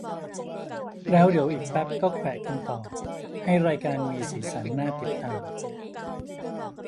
แล้วเดี๋ยวอีกแป๊ปก็แขวะกันต่อ ให้รายการมีสีสันน่าติดตาม